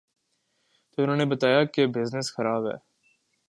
تو انہوں نے بتایا کہ بزنس خراب ہے۔